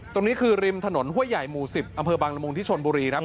ตรงนี้คือริมถนนห้วยใหญ่หมู่๑๐อำเภอบางละมุงที่ชนบุรีครับ